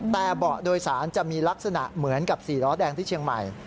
แต่เบาะโดยสารจะมีลักษณะเหมือนกับ๔ล้อแดงที่เชียงใหม่